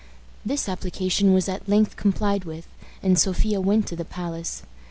This application was at length complied with, and Sophia went to the palace.